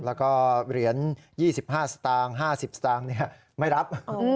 แล้วก็เหรียญ๒๕สตางค์๕๐สตางค์ไม่รับ